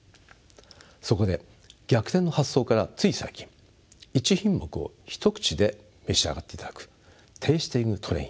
そこで逆転の発想からつい最近１品目を一口で召し上がっていただくＴａｓｔｉｎｇＴｒａｉｎ